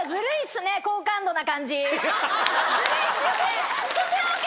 ズルいっすよね。